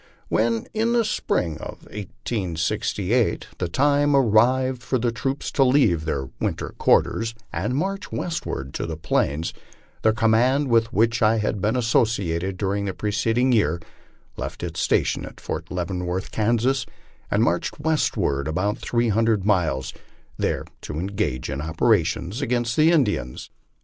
When, in the spring of 1868, the time arrived for the troops to leave their winter quarters, and march westward to the 'Plains, the command with which I had been associated during the preceding year left its station at Fort Leaven worth, Kansas, and marched westward about three hundred miles, there to en gage in operations against the Indians.